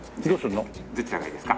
どちらがいいですか？